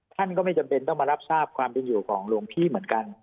ท่านก็ไม่จำเป็นต้องมารับทราบความเป็นอยู่ของหลวงพี่เหมือนกัน